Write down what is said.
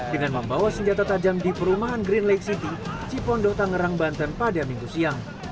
dengan membawa senjata tajam di perumahan green lake city cipondo tangerang banten pada minggu siang